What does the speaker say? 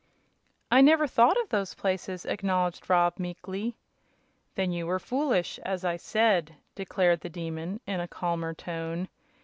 "I never thought of those places," acknowledged Rob, meekly. "Then you were foolish, as I said," declared the Demon, in a calmer tone.